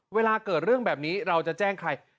เวลาเกิดเรื่องแบบนี้เราจะแจ้งใคร